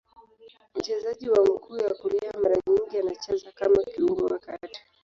Mchezaji wa mguu ya kulia, mara nyingi anacheza kama kiungo wa kati.